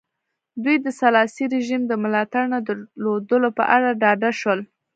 دوی د سلاسي رژیم د ملاتړ نه درلودلو په اړه ډاډه شول.